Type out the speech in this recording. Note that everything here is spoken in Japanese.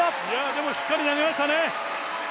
でもしっかり投げましたね。